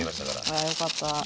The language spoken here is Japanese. あらよかった。